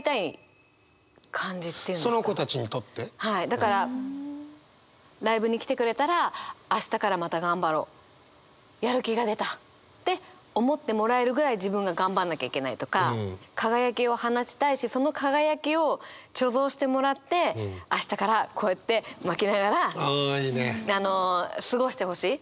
だからライブに来てくれたら明日からまた頑張ろうやる気が出たって思ってもらえるぐらい自分が頑張んなきゃいけないとか輝きを放ちたいしその輝きを貯蔵してもらって明日からこうやってまきながら過ごしてほしい。